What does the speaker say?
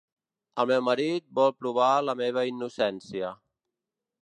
El meu marit vol provar la meva innocència.